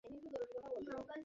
সন্ধির নিশান লইয়া লোক আসিয়াছে।